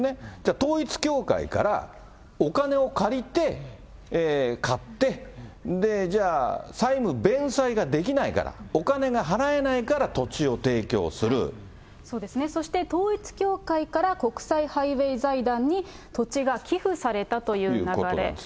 統一教会からお金を借りて、買って、じゃあ、債務弁済ができないから、お金が払えないから、そうですね、そして統一教会から、国際ハイウェイ財団に土地が寄付されたという流れ。